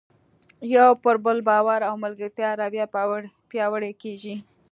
د یو پر بل باور او ملګرتیا روحیه پیاوړې کیږي.